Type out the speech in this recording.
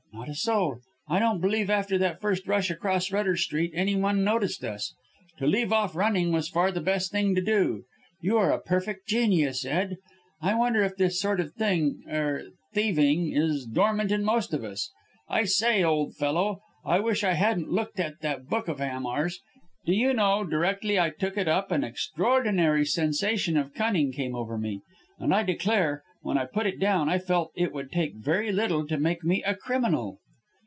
"Not a soul! I don't believe after that first rush across Rutter Street, any one noticed us. To leave off running was far the best thing to do. You are a perfect genius, Ed. I wonder if this sort of thing er thieving is dormant in most of us? I say, old fellow, I wish I hadn't looked at that book of Hamar's. Do you know, directly I took it up, an extraordinary sensation of cunning came over me; and I declare, when I put it down, I felt it would take very little to make me a criminal!"